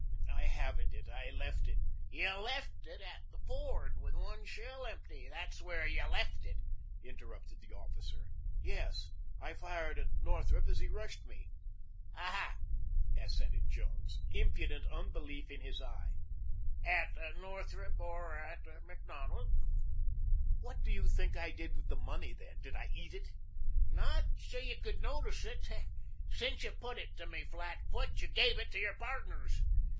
"I haven't it. I left it " "You left it at the ford with one shell empty. That's where you left it," interrupted the officer. "Yes. I fired at Northrup as he rushed me." "Um hu," assented Jones, impudent unbelief in his eye. "At Northrup or at Macdonald." "What do you think I did with the money, then? Did I eat it?" "Not so you could notice it. Since you put it to me flat foot, you gave it to your pardners.